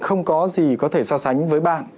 không có gì có thể so sánh với bạn